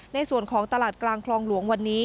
ในส่วนของตลาดกลางคลองหลวงวันนี้